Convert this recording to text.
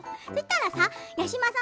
八嶋さん